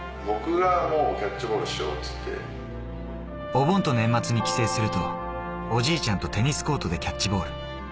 お盆と年末に帰省すると、おじいちゃんとテニスコートでキャッチボール。